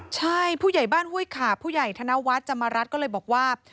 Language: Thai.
ใช่ผู้ใหญ่บ้านห้วยขาบผู้ใหญ่ธนวัฒน์จำรัฐก็เลยบอกว่า